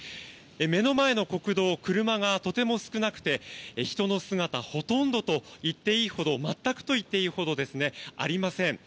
目の前の国道は車がとても少なくて、人の姿はほとんどといっていいほど全くといっていいほどありません。